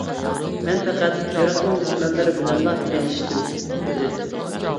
مەن پەقەت ئىراقنىڭ دۈشمەنلىرى بىلەنلا ئېلىشتىم، دېدى.